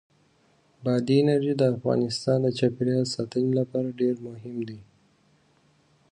بادي انرژي د افغانستان د چاپیریال ساتنې لپاره ډېر مهم دي.